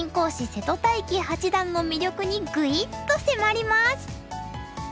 瀬戸大樹八段の魅力にグイッと迫ります！